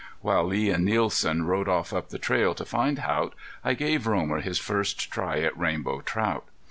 While Lee and Nielsen rode off up the trail to find Haught I gave Romer his first try at rainbow trout.